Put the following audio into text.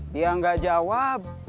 dia gak jawab